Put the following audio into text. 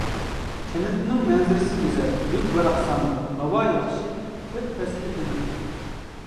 كەنتنىڭ مەنزىرىسى گۈزەل، بۈك-باراقسانلىق، ھاۋا ياخشى، تۆت پەسلى ئېنىق.